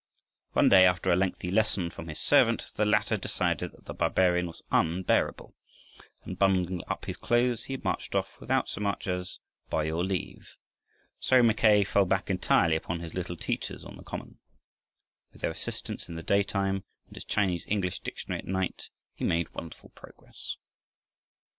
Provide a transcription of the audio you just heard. One day, after a lengthy lesson from his servant, the latter decided that the barbarian was unbearable, and bundling up his clothes he marched off, without so much as "by your leave." So Mackay fell back entirely upon his little teachers on the common. With their assistance in the daytime and his Chinese English dictionary at night, he made wonderful progress.